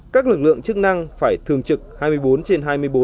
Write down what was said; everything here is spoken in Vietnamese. các lực lượng chức năng phải thường trực hai mươi bốn trên hai mươi bốn